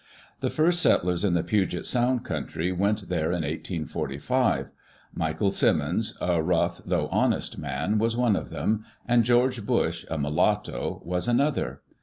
The first settlers in the Puget Sound country went there in 1845. Michael Simmons, a rough though honest man, was one of them; and George Bush, a mulatto, was an other.